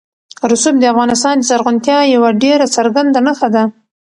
رسوب د افغانستان د زرغونتیا یوه ډېره څرګنده نښه ده.